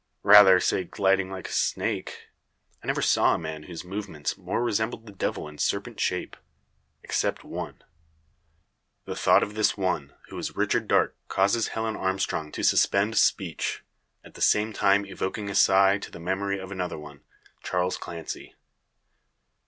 "Rather say gliding like a snake. I never saw a man whose movements more resembled the Devil in serpent shape except one." The thought of this one, who is Richard Darke, causes Helen Armstrong to suspend speech; at the same time evoking a sigh to the memory of another one Charles Clancy.